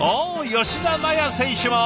吉田麻也選手も。